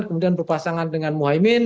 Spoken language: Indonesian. kemudian berpasangan dengan muhaymin